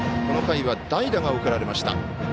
この回は代打が送られました。